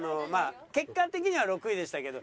結果的には６位でしたけど。